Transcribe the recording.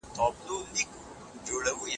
ولي کوښښ کوونکی د لایق کس په پرتله لوړ مقام نیسي؟